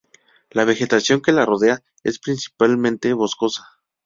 La vegetación que la rodea es principalmente boscosa.